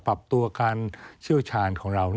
ปรับตัวการเชี่ยวชาญของเรา